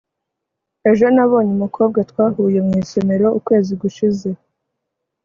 ejo nabonye umukobwa twahuye mu isomero ukwezi gushize